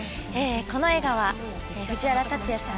この映画は藤原竜也さん